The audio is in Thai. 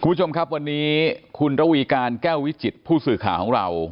คุณผู้ชมครับวันนี้คุณระวีการแก้ววิจิตผู้สื่อข่าวของเรา